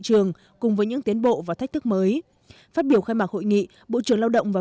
trường cùng với những tiến bộ và thách thức mới phát biểu khai mạc hội nghị bộ trưởng lao động và